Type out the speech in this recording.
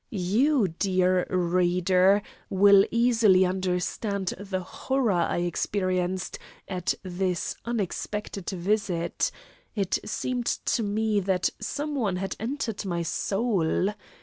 You, dear reader, will easily understand the horror I experienced at this unexpected visit it seemed to me that some one had entered my soul.